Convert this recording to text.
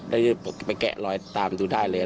ได้ไปแกะรอยตามดูได้เลย